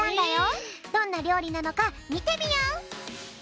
どんなりょうりなのかみてみよう！